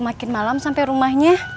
makin malam sampai rumahnya